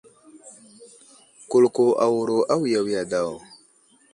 Kulko awuro awiya wiya daw.